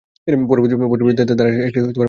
পরবর্তীতে তারা একটি পুত্র দত্তক নেন।